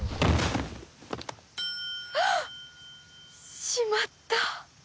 はっ！しまった